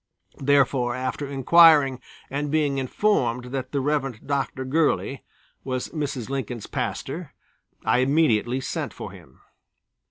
Therefore after inquiring and being informed that the Rev. Dr. Gurley was Mrs. Lincoln's pastor, I immediately sent for him.